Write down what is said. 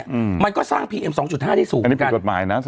อืมมันก็สร้างพีเอ็มสองจุดห้าที่สูงเกินงั้นอันนี้เป็นกฏหมายน่ะ